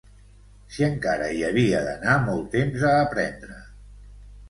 ...si encara hi havia d'anar molt temps a aprendre